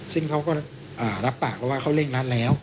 ซึ่งเขาก็รับปากแล้วว่าเขาเร่งรัดแล้ว